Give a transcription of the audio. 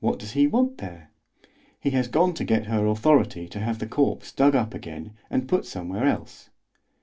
"What does he want there?" "He has gone to get her authority to have the corpse dug up again and put somewhere else."